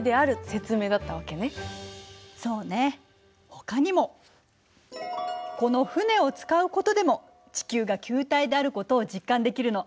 ほかにもこの船を使うことでも地球が球体であることを実感できるの。